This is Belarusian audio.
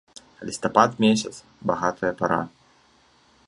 Лістапад месяц, багатая пара.